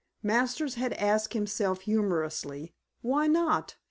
Masters had asked himself humorously, Why not?